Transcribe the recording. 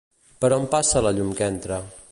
Per on passa la llum que entra?